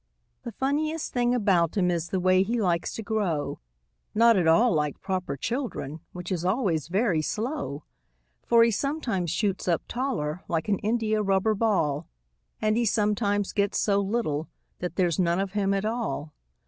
The funniest thing about him is the way he likes to grow— Not at all like proper children, which is always very slow; For he sometimes shoots up taller like an india rubber ball, And he sometimes gets so little that there's none of him at all.